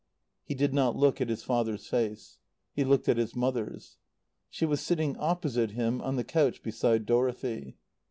He did not look at his father's face. He looked at his mother's. She was sitting opposite him on the couch beside Dorothy.